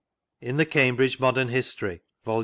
la the Cambridge Modern History (Vol.